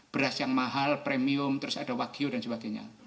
beras yang mahal premium terus ada wagyu dan sebagainya